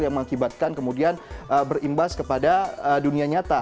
yang mengakibatkan kemudian berimbas kepada dunia nyata